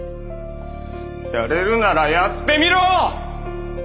やれるならやってみろ！